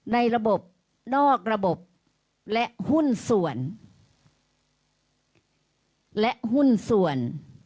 ในระบบนอกระบบและหุ้นส่วน